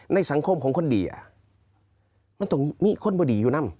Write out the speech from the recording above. ในสังคมของคนดีอ่ะตรงนี้คนไม่ดีอยู่นั่น